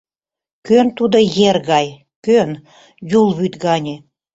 Кӧн тудо ер гай, кӧн — Юл вӱд гане…